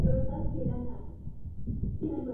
ازادي راډیو د عدالت په اړه د حکومتي ستراتیژۍ ارزونه کړې.